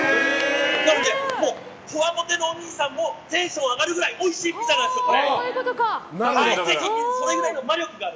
なのでこわもてのお兄さんもテンション上がるぐらいおいしいピザなのでそれぐらいの魔力がある。